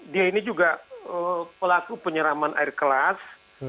dia ini juga pelaku penyeraman air keras